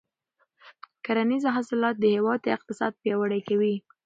کرنیز حاصلات د هېواد اقتصاد پیاوړی کوي.